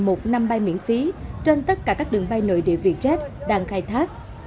một năm bay miễn phí trên tất cả các đường bay nội địa vietjet đang khai thác